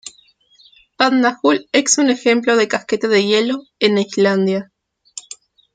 Vatnajökull es un ejemplo de un casquete de hielo, en Islandia.